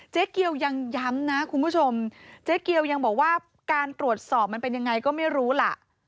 เจ๊เกียวยังย้ำนะคุณผู้ชมเจ๊เกียวยังบอกว่าการตรวจสอบมันเป็นยังไงก็ไม่รู้ล่ะ